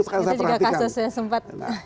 sekarang saya perhatikan